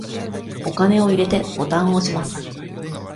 お金を入れて、ボタンを押します。